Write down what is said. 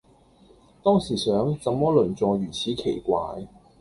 當時想怎麼鄰座如此奇怪